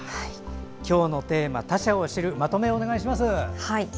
今日のテーマ「他者を知る」のまとめをお願いします。